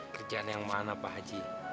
kerjaan yang mana pak haji